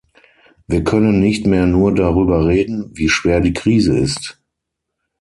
Wir können nicht mehr nur darüber reden, wie schwer die Krise ist.